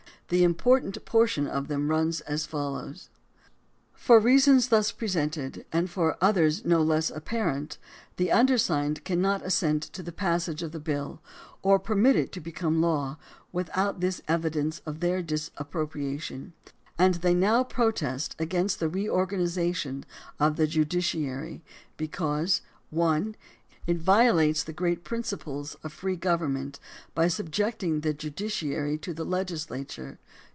The important portion of them runs as follows : For reasons thus presented, and for others no less apparent, the undersigned cannot assent to the passage of the bill, or permit it to become a law, without this evidence of their dis approbation; and they now protest against the reorganization of the judiciary, because: (1) It violates the great principles of free government by subjecting the judiciary to the legislature.